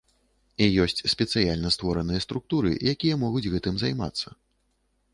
І ёсць спецыяльна створаныя структуры, якія могуць гэтым займацца.